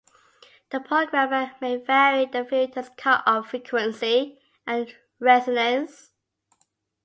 The programmer may vary the filter's cut-off frequency and resonance.